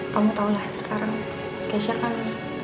kamu tahu lah sekarang keisha kan